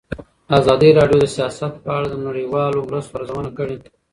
ازادي راډیو د سیاست په اړه د نړیوالو مرستو ارزونه کړې.